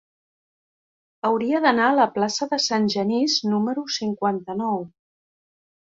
Hauria d'anar a la plaça de Sant Genís número cinquanta-nou.